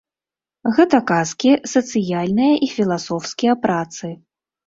Гэта казкі, сацыяльныя і філасофскія працы.